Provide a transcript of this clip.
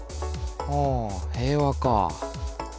ああ平和かあ。